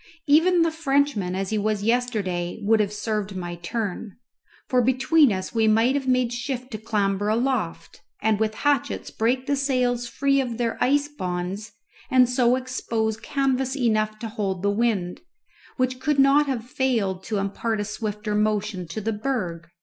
Even the Frenchman as he was yesterday would have served my turn, for between us we might have made shift to clamber aloft, and with hatchets break the sails free of their ice bonds, and so expose canvas enough to hold the wind, which could not have failed to impart a swifter motion to the berg.